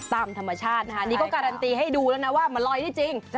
ตามธรรมชาตินะคะนี่ก็การันตีให้ดูแล้วนะว่ามันลอยได้จริง